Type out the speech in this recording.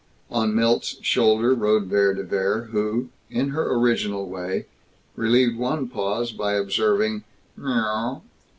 On Milt's shoulder rode Vere de Vere who, in her original way, relieved one pause by observing "Mrwr."